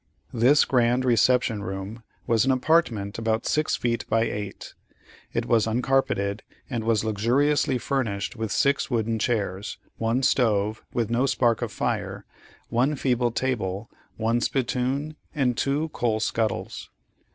This grand reception room was an apartment about six feet by eight; it was uncarpeted, and was luxuriously furnished with six wooden chairs, one stove, with no spark of fire, one feeble table, one spittoon, and two coal scuttles.